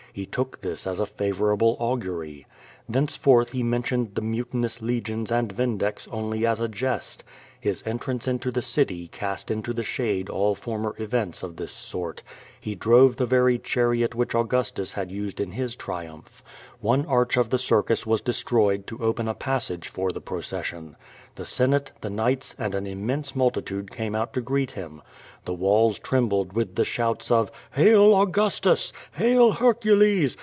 He took this as a favorable augury. Thenceforth he mentioned the mu tinous legions and Vindex only as a jest. His entrance into the cit}' cast into the shade all former events of this sort. Ho drove the very chariot which Augustus had used in his tri umph. One arch of the circus was destroyed to open a pas sage for the procession. The Senate, the Knights, and an im mense multitude came out to greet him. The walls trembled with the shouts of "Hail Augustus! hail Hercules!